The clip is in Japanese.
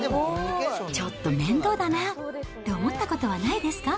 ちょっと面倒だなと思ったことはないですか？